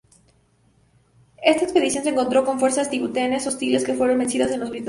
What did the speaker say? Esta expedición se encontró con fuerzas tibetanas hostiles que fueron vencidas por los británicos.